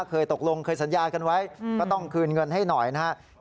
เคยตกลงเคยสัญญากันไว้ก็ต้องคืนเงินให้หน่อยนะครับ